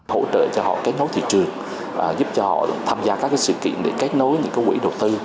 hỗ trợ cho họ kết nối thị trường giúp cho họ tham gia các sự kiện để kết nối những quỹ đầu tư